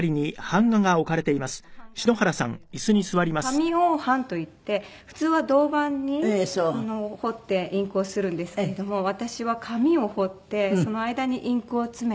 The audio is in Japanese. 紙凹版といって普通は銅板に彫ってインクを刷るんですけれども私は紙を彫ってその間にインクを詰めて紙に。